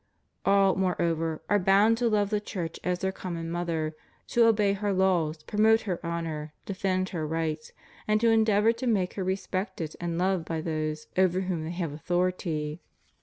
All, moreover, are boimd to love the Church as their com mon mother, to obey her laws, promote her honor, defend her rights, and to endeavor to make her respected and loved by those over whom they have authority.